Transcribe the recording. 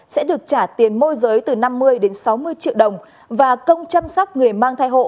sẽ được trả tiền môi giới từ năm mươi đến sáu mươi triệu đồng và công chăm sóc người mang thai hộ